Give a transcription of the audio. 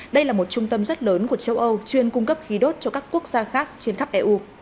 đây là một trung tâm rất lớn của châu âu chuyên cung cấp khí đốt cho các quốc gia khác trên khắp eu